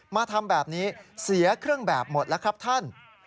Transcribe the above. มาทำแบบนี้เสียเครื่องแบบหมดแล้วครับท่าน